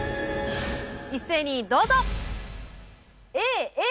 一斉にどうぞ！